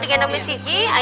punya sumpahnya sekali dah